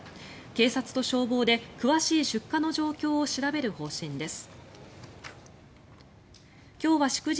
警察と消防で詳しい出火の状況を調べる方針です。